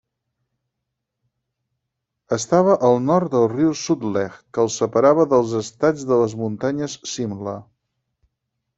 Estava al nord del riu Sutlej que el separava dels estats de les muntanyes Simla.